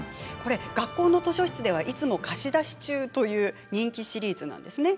学校の図書室ではいつも貸し出し中という人気シリーズです。